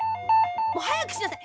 もうはやくしなさい。